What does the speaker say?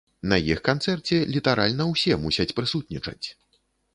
На іх канцэрце літаральна ўсе мусяць прысутнічаць!